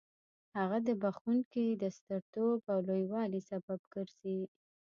هغه د بخښونکي د سترتوب او لوی والي سبب ګرځي.